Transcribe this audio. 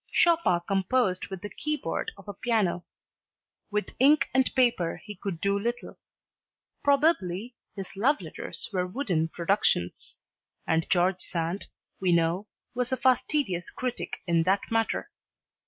Chopin composed with the keyboard of a piano; with ink and paper he could do little. Probably his love letters were wooden productions, and George Sand, we know, was a fastidious critic in that matter.